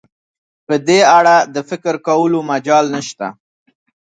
په دې اړه د فکر کولو مجال نشته.